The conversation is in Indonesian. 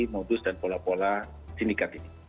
modus dan pola pola sindikat ini